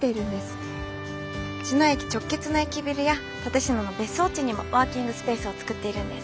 茅野駅直結の駅ビルや蓼科の別荘地にもワーキングスペースを作っているんです。